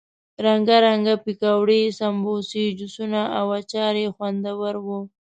رنګه رنګه پکوړې، سموسې، جوسونه او اچار یې خوندور وو.